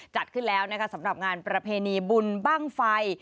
จัดขึ้นแล้วนะคะสำหรับงานประเพณีบุญบ้างไฟ